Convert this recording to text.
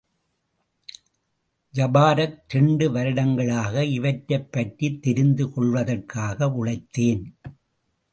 ஜபாரக், இரண்டு வருடங்களாக இவற்றைப்பற்றித் தெரிந்து கொள்வதற்காக உழைத்தேன்.